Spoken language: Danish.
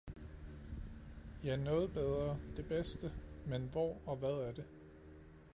ja noget bedre, det bedste, men hvor og hvad er det!